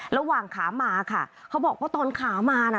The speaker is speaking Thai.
ระหว่างขามาค่ะเขาบอกว่าตอนขามาน่ะ